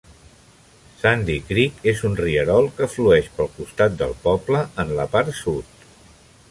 Sandy Creek és un rierol que flueix pel costat del poble, en la part sud.